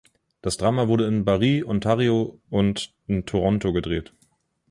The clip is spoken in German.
Das Drama wurde in Barrie, Ontario und in Toronto gedreht.